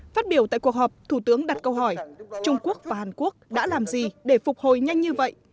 phát biểu tại cuộc họp thủ tướng đặt câu hỏi trung quốc và hàn quốc đã làm gì để phục hồi nhanh như vậy